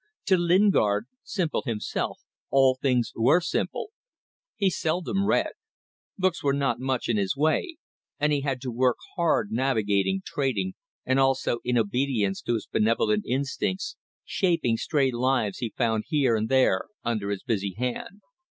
To Lingard simple himself all things were simple. He seldom read. Books were not much in his way, and he had to work hard navigating, trading, and also, in obedience to his benevolent instincts, shaping stray lives he found here and there under his busy hand.